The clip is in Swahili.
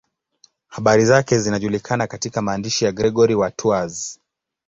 Habari zake zinajulikana katika maandishi ya Gregori wa Tours.